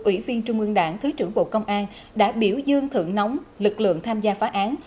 ủy viên trung ương đảng thứ trưởng bộ công an đã biểu dương thượng nóng lực lượng tham gia phá án